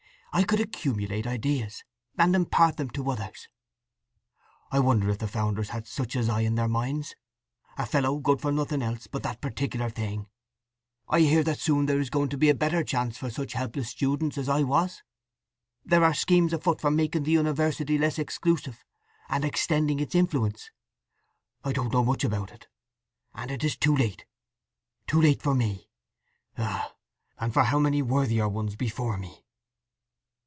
I could accumulate ideas, and impart them to others. I wonder if the founders had such as I in their minds—a fellow good for nothing else but that particular thing? … I hear that soon there is going to be a better chance for such helpless students as I was. There are schemes afoot for making the university less exclusive, and extending its influence. I don't know much about it. And it is too late, too late for me! Ah—and for how many worthier ones before me!"